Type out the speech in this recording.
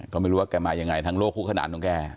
ก็ไม่รู้ว่าแกมายังไงทั้งโลกคู่ขนานของแก